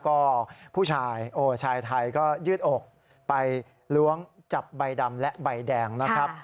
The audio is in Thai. ก็ผู้ชายโอ้ชายไทยก็ยืดอกไปล้วงจับใบดำและใบแดงนะครับ